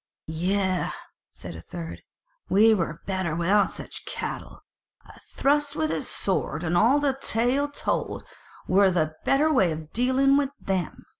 "Yea," said a third, "we were better without such cattle. A thrust with a sword and all the tale told, were the better way of dealing with them."